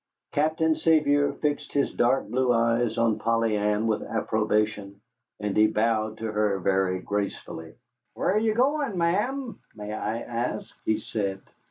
Captain Sevier fixed his dark blue eyes on Polly Ann with approbation, and he bowed to her very gracefully. "Where are you going, Ma'am, may I ask?" he said.